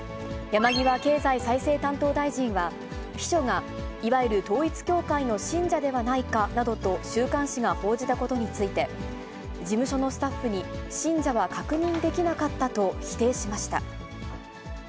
山際経済再生担当大臣は、秘書がいわゆる統一教会の信者ではないかなどと、週刊誌が報じたことについて、事務所のスタッフに、信者は確認できなかったと、否定しました。